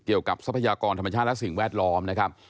ทรัพยากรธรรมชาติและสิ่งแวดล้อมนะครับ